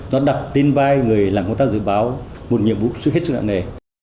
nó đặt tên vai người làm công tác dự báo một nhiệm vụ suy hết sự nặng nề